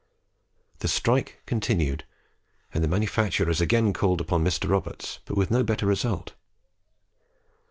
The strike continued, and the manufacturers again called upon Mr. Roberts, but with no better result.